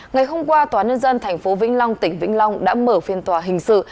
ngày hôm qua tòa nhân dân tp vĩnh long tỉnh vĩnh long đã mở phiên tòa hình sự